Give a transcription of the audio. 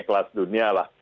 kelas dunia lah